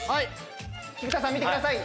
菊田さん見てください。